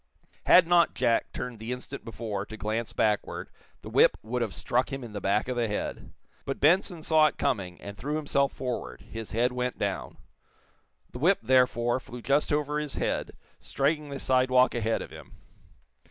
Had not Jack turned the instant before, to glance backward, the whip would have struck him in the back of the head. But Benson saw it coming, and threw himself forward, his head went down. The whip, therefore, flew just over his head, striking the sidewalk ahead of him.